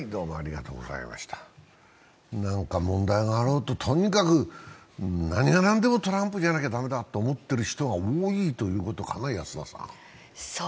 何か問題があろうと、とにかく何がなんでもトランプじゃなきゃ駄目だと思っている人が多いということかな、安田さん。